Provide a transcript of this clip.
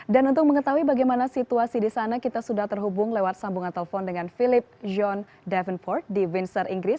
dan untuk mengetahui bagaimana situasi di sana kita sudah terhubung lewat sambungan telepon dengan philip john davenport di windsor inggris